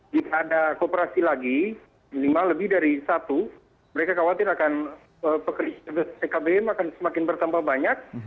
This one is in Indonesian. jika ada kooperasi lagi minimal lebih dari satu mereka khawatir akan pekerja skbm akan semakin bertambah banyak